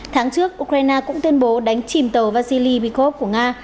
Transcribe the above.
tháng trước ukraine cũng tuyên bố đánh chìm tàu vasily pichov của nga